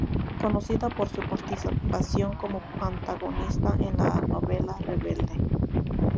Conocida por su participación como antagonista en la telenovela "Rebelde".